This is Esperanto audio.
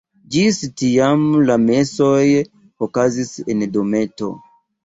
Ĝis tiam la mesoj okazis en dometo.